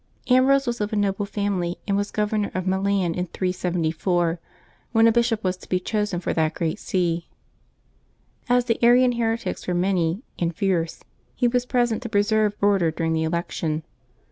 HMBEOSE was of a noble family, and was governor of Milan in 374, when a bishop was to be chosen for that great see. As the Arian heretics were many and fierce, he was present to preserve order during the election.